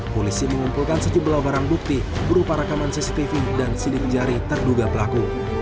polisi mengumpulkan sejumlah barang bukti berupa rekaman cctv dan sidik jari terduga pelaku